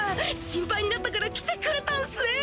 心配になったから来てくれたんすね？